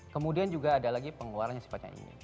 kemudian juga ada lagi pengeluaran yang sifatnya ini